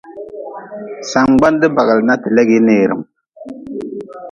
Sangbande bagli na ti legi neerm.